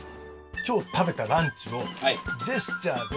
今日食べたランチをジェスチャーで。